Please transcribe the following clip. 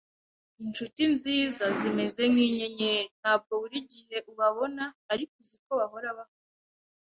Inshuti nziza zimeze nkinyenyeri. Ntabwo buri gihe ubabona, ariko uziko bahora bahari.